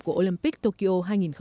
của olympic tokyo hai nghìn hai mươi